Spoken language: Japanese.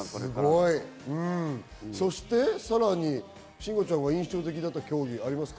そしてさらに、慎吾ちゃんが印象的だった競技ありますか？